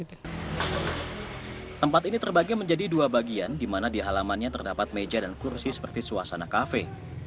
tempat ini terbagi menjadi dua bagian di mana di halamannya terdapat meja dan kursi seperti suasana kafe